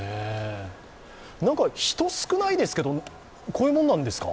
人、少ないですけど、こういうものなんですか。